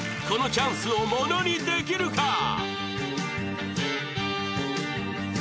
このチャンスをものにできるか！？